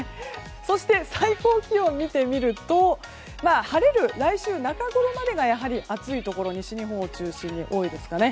そして、最高気温を見てみると晴れる来週中ごろまでがやはり暑いところが西日本を中心に多いですかね。